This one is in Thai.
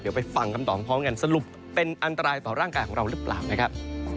เดี๋ยวไปฟังคำตอบพร้อมกันสรุปเป็นอันตรายต่อร่างกายของเราหรือเปล่านะครับ